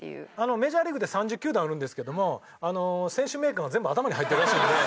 メジャーリーグって３０球団あるんですけども選手名鑑が全部頭に入ってるらしいので。